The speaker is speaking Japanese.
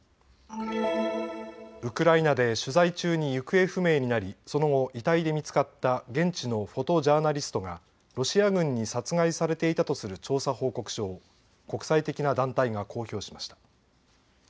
ウクライナで取材中に行方不明になり、その後、遺体で見つかった現地のフォトジャーナリストがロシア軍に殺害されていたとする調査報告書を国際的な団体が公表しました。